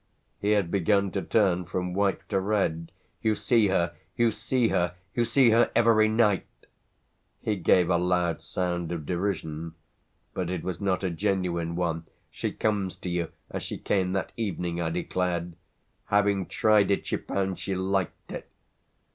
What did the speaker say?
He had begun to turn from white to red. "You see her you see her: you see her every night!" He gave a loud sound of derision, but it was not a genuine one. "She comes to you as she came that evening," I declared; "having tried it she found she liked it!"